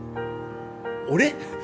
俺？